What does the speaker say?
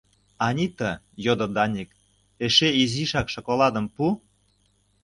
— Анита, — йодо Даник, — эше изишак шоколадым пу.